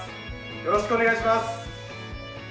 よろしくお願いします。